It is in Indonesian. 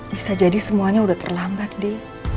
bisa jadi semuanya udah terlambat deh